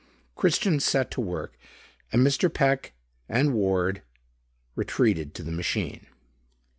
Christian set to work and Mr. Peck and Ward retreated to the machine.